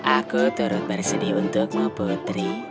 aku turut bersedih untukmu putri